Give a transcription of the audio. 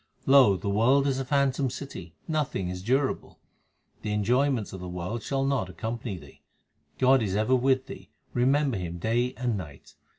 Lo ! the world is a phantom city ; nothing is durable. The enjoyments of the world shall not accompany thee. God is ever with thee ; remember Him day and night.